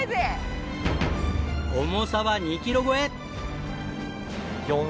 重さは２キロ超え！